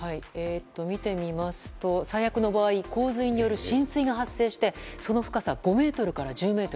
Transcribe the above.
見てみますと最悪の場合洪水による浸水が発生してその深さ、５ｍから１０ｍ。